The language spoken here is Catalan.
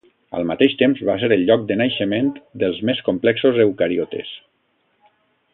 Al mateix temps va ser el lloc de naixement dels més complexos eucariotes.